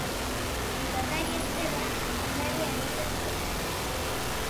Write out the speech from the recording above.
Pilotari ezkerra, aurrelari aritzen zen.